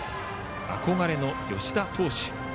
憧れの吉田投手。